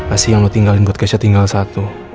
asyik yang lo tinggalin buat keisha tinggal satu